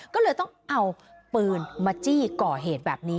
ก็เลยต้องเอาปืนมาจี้ก่อเหตุแบบนี้